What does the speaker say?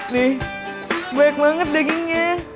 nih banyak banget dagingnya